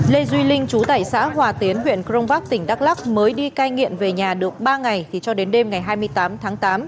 lê duy linh chú tại xã hòa tiến huyện crong bắc tỉnh đắk lắc mới đi cai nghiện về nhà được ba ngày thì cho đến đêm ngày hai mươi tám tháng tám